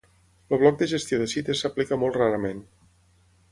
El bloc de gestió de cites s'aplica molt rarament.